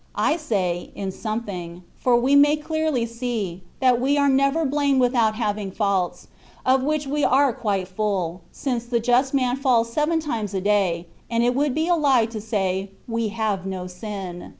I say ^^ in something,^^ for we may clearly see, that we are never blamed without having faults, of which we are quite full, since the just man falls seven times a day, and it would be a lie to say, ^^ we have no sin.